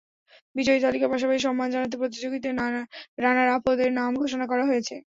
বিজয়ী তালিকার পাশাপাশি সম্মান জানাতে প্রতিযোগিতায় রানারআপদের নাম ঘোষণা করা হয়েছে।